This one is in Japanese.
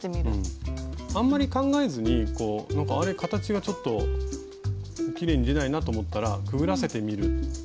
あんまり考えずに「あれ？形がちょっときれいに出ないな」と思ったらくぐらせてみる。